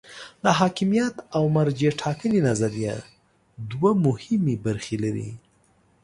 د حاکمیت او مرجع ټاکنې نظریه دوه مهمې برخې لري.